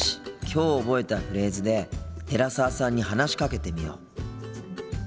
きょう覚えたフレーズで寺澤さんに話しかけてみよう。